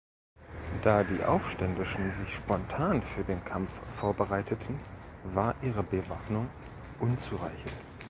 Da die Aufständischen sich spontan für den Kampf vorbereiteten, war ihre Bewaffnung unzureichend.